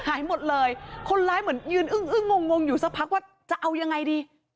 หายหมดเลยคนร้ายเหมือนยืนอึ้งอึ้งงงงอยู่สักพักว่าจะเอายังไงดี